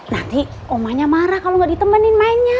nanti om anja marah kalau gak ditemenin mainnya